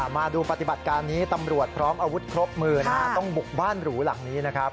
มาดูปฏิบัติการนี้ตำรวจพร้อมอาวุธครบมือนะฮะต้องบุกบ้านหรูหลังนี้นะครับ